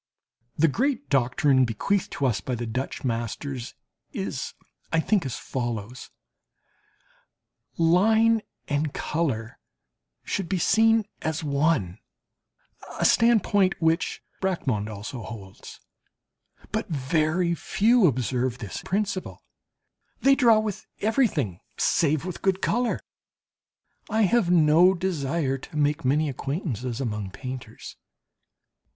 The great doctrine bequeathed to us by the Dutch masters is, I think, as follows: Line and colour should be seen as one, a standpoint which Bracquemond also holds. But very few observe this principle, they draw with everything, save with good colour. I have no desire to make many acquaintances among painters.